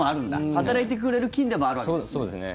働いてくれる菌でもあるわけですね。